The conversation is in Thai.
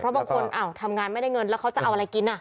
บางคนทำงานไม่ได้เงินแล้วเขาจะเอาอะไรกิน